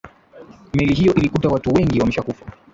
meli hiyo ilikuta watu wengi wameshakufa